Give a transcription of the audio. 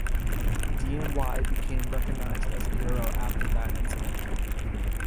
Dian Wei became recognised as a hero after that incident.